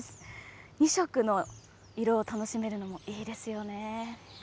２色の色を楽しめるのもいいですよね。